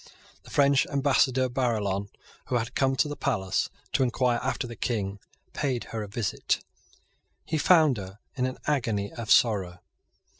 The French ambassador Barillon, who had come to the palace to enquire after the King, paid her a visit. He found her in an agony of sorrow.